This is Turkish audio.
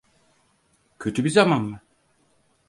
Kötü bir zaman mı?